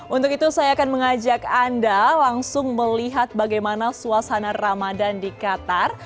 untuk itu saya akan mengajak anda langsung melihat bagaimana suasana ramadan di qatar